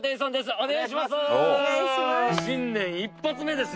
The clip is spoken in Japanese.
お願いします